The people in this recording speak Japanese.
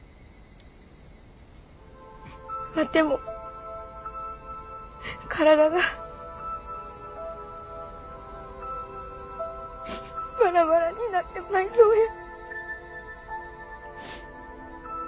ワテも体がバラバラになってまいそうや。